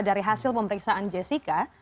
dari hasil pemeriksaan jessica